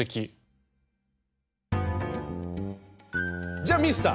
じゃあミスター